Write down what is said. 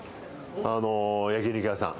焼き肉屋さん。